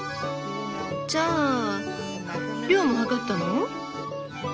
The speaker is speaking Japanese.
じゃあ量も量ったの？